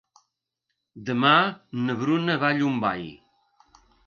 Demà na Bruna va a Llombai.